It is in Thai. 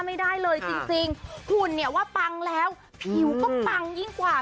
ไม่ได้เลยจริงหุ่นเนี่ยว่าปังแล้วผิวก็ปังยิ่งกว่า